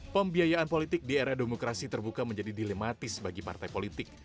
pembiayaan politik di era demokrasi terbuka menjadi dilematis bagi partai politik